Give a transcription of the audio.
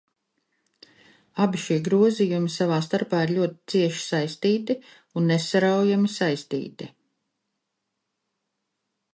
Abi šie grozījumi savā starpā ir ļoti cieši un nesaraujami saistīti.